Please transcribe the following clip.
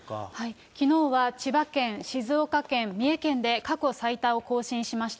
きのうは千葉県、静岡県、三重県で過去最多を更新しました。